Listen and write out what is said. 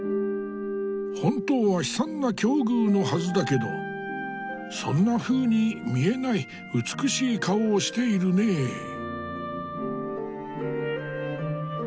本当は悲惨な境遇のはずだけどそんなふうに見えない美しい顔をしているねえ。